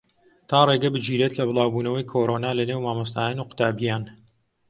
تا ڕێگە بگیرێت لە بڵاوبوونەوەی کۆرۆنا لەناو مامۆستایان و قوتابییان